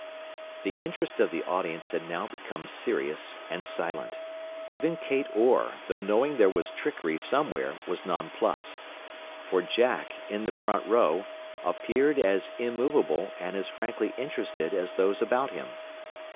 The interest of the audience had now become serious and silent. Even Kate Orr, though knowing there was trickery somewhere, was nonplussed. For Jack, in the front row, appeared as immovable, and as frankly interested as those about him.